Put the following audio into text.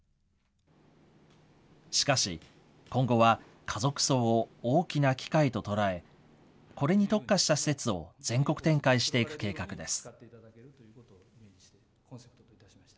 しかし、今後は家族葬を大きな機会と捉え、これに特化した施設を全国展開していく計画です。